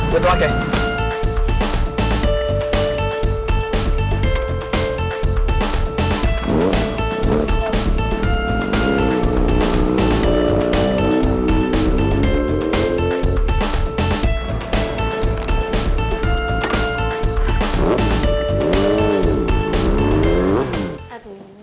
gue tunggu aja